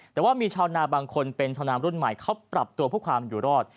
แต่ว่ามีชาวนาบางคนเป็นชาวนามรุ่นใหม่เขาปรับตัวเพื่อความอยู่รอด